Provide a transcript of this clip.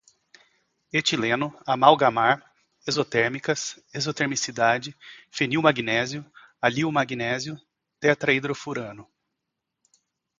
etileno, amalgamar, exotérmicas, exotermicidade, fenilmagnésio, alilmagnésio, tetrahidrofurano